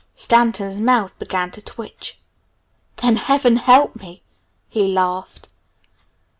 Stanton's mouth began to twitch. "Then Heaven help me!" he laughed.